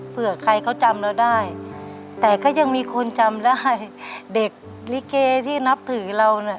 เผื่อใครเขาจำเราได้แต่ก็ยังมีคนจำได้เด็กลิเกที่นับถือเราน่ะ